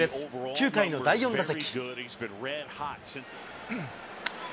９回の第４打席。